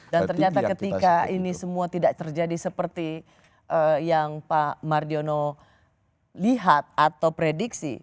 dan ternyata ketika ini semua tidak terjadi seperti yang pak marjono lihat atau prediksi